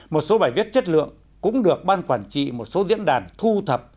một số bài viết chất lượng cũng được ban quản trị một số diễn đàn thu thập